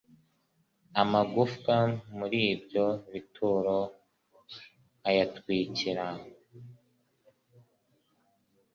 amagufwa muri ibyo bituro ayatwikira